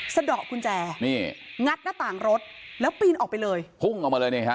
สะดอกกุญแจนี่งัดหน้าต่างรถแล้วปีนออกไปเลยพุ่งออกมาเลยนี่ฮะ